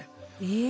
え？